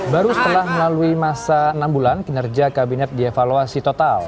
baru setelah melalui masa enam bulan kinerja kabinet dievaluasi total